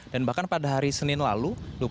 dan bahkan pada hari senin lalu